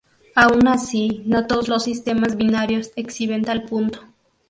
Aun así, no todos los sistemas binarios exhiben tal punto.